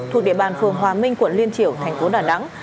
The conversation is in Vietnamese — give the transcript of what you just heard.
thuộc địa bàn phường hòa minh quận liên triểu tp đà nẵng